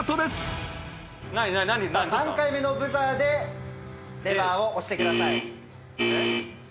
３回目のブザーでレバーを押してください。